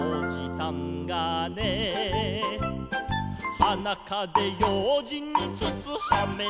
「はなかぜようじんにつつはめた」